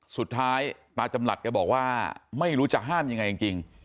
สุดท้ายตาจำหลัดแกบอกว่าไม่รู้จะห้ามยังไงจริง